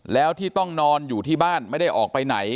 แล้วที่ต้องนอนอยู่ที่บ้านไม่ได้ออกไปไหน